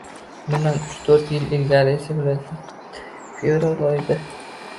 Bundan uch-to‘rt yil ilgari esa viloyatlarda fevral oyida